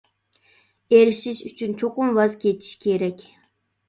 ئېرىشىش ئۈچۈن چوقۇم ۋاز كېچىش كېرەك.